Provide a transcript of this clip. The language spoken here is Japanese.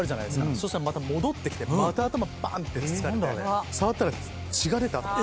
そしたら戻ってきてまた頭バンってつつかれて触ったら血が出て頭から。